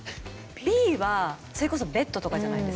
「Ｂ」はそれこそベッドとかじゃないですか？